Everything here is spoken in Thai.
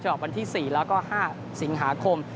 ออกวันที่๔แล้วก็๕สิงหาคม